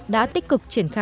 đã tích cực triển khai